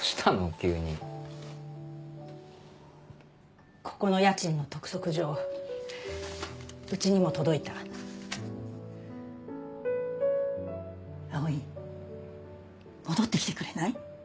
急にここの家賃の督促状うちにも蒼戻ってきてくれない？